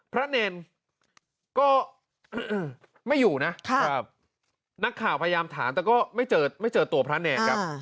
พระเนรก็ไม่อยู่นะนักข่าวพยายามถามแต่ก็ไม่เจอไม่เจอตัวพระเนรครับ